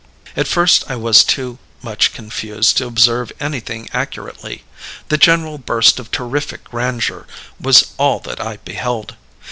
"At first I was too much confused to observe anything accurately. The general burst of terrific grandeur was all that I beheld.